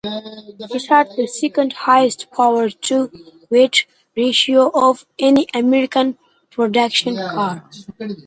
It had the second highest power-to-weight ratio of any American production car.